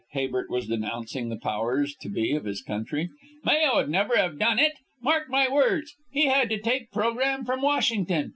Habert was denouncing the powers that be of his country. "Mayo'd never have done it. Mark my words, he had to take program from Washington.